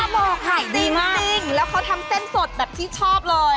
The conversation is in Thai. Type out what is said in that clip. บอกขายดีมากจริงแล้วเขาทำเส้นสดแบบที่ชอบเลย